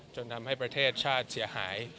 จนทำให้ประเทศชาติเสียหาย